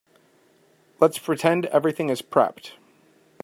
Let's pretend everything is prepped.